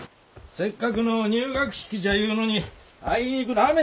せっかくの入学式じゃいうのにあいにくの雨じゃのうるい。